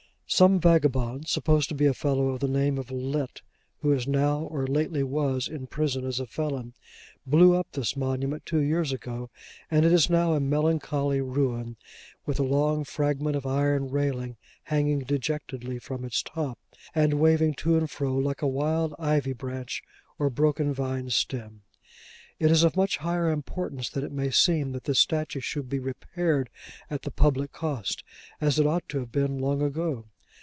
Some vagabond, supposed to be a fellow of the name of Lett, who is now, or who lately was, in prison as a felon, blew up this monument two years ago, and it is now a melancholy ruin, with a long fragment of iron railing hanging dejectedly from its top, and waving to and fro like a wild ivy branch or broken vine stem. It is of much higher importance than it may seem, that this statue should be repaired at the public cost, as it ought to have been long ago.